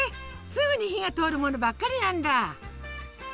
すぐに火が通るものばっかりなんだ！